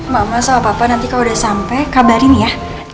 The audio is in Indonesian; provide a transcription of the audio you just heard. mama sama papa nanti kalau udah sampai kabarin ya